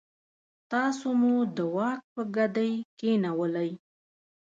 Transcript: تاسو مو د واک په ګدۍ کېنولئ.